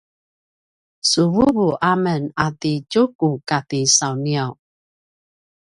su vuvu amen a ti Tjuku kati sauniaw